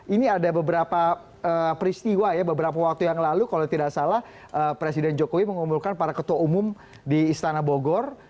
ini ada beberapa peristiwa ya beberapa waktu yang lalu kalau tidak salah presiden jokowi mengumpulkan para ketua umum di istana bogor